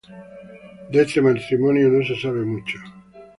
De este matrimonio no se sabe mucho.